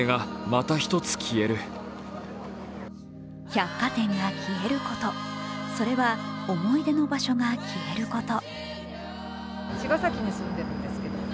百貨店が消えること、それは思い出の場所が消えること。